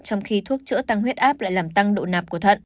trong khi thuốc chữa tăng huyết áp lại làm tăng độ nạp của thận